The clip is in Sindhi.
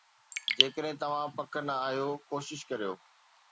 جيڪڏهن توهان پڪ نه آهيو، ڪوشش ڪريو